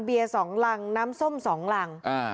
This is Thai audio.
เบียร์๒ลังน้ำส้ม๒ลัง